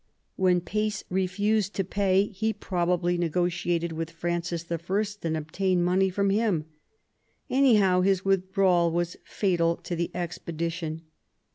When Pace refused to pay he probably negotiated with Francis L, and obtained money from him. Anyhow his withdrawal was fatal to the expedition.